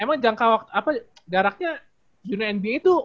emang jangka waktu apa jaraknya junior nba itu umur berapa